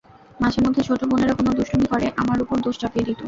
মাঝেমধ্যে ছোট বোনেরা কোনো দুষ্টুমি করে আমার ওপর দোষ চাপিয়ে দিত।